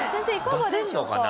出せるのかな？